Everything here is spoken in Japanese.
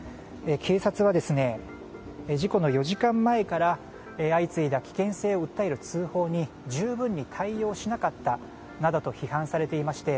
警察は事故の４時間前から相次いだ危険性を訴える通報に十分に対応しなかったなどと批判されていまして